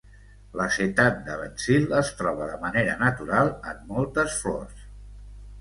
L'acetat de benzil es troba de manera natural en moltes flors.